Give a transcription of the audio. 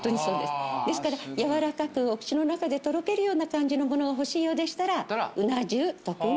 ですからやわらかくお口の中でとろけるような感じのものが欲しいようでしたらうな重特うな重をお上がりに。